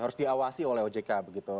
harus diawasi oleh ojk begitu